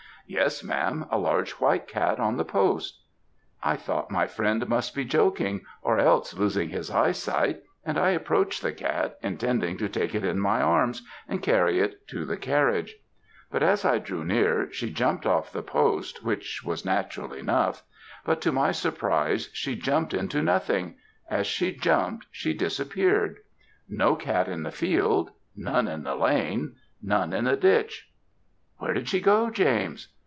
"'Yes, ma'am; a large white cat on that post.' "I thought my friend must be joking, or else losing his eye sight, and I approached the cat, intending to take it in my arms, and carry it to the carriage; but as I drew near, she jumped off the post, which was natural enough but to my surprise she jumped into nothing as she jumped she disappeared! no cat in the field none in the lane none in the ditch! "'Where did she go, James?'